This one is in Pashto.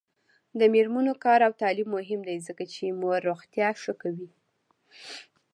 د میرمنو کار او تعلیم مهم دی ځکه چې مور روغتیا ښه کوي.